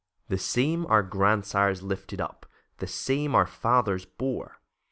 The same our grandsires lifted up The same our fathers bore.